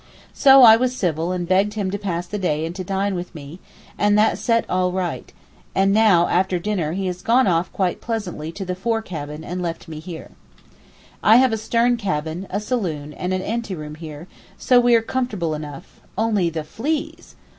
So I was civil and begged him to pass the day and to dine with me, and that set all right, and now after dinner he has gone off quite pleasantly to the fore cabin and left me here. I have a stern cabin, a saloon and an anteroom here, so we are comfortable enough—only the fleas!